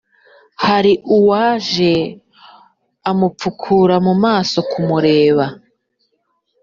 hari uwaje amupfukura mumaso mukureba